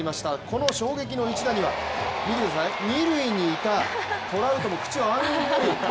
この衝撃の一打には、見てください、二塁にいたトラウトも口をあんぐり。